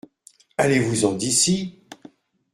Allez-vous-en d’ici.